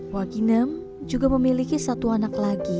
waginem juga memiliki satu anak lagi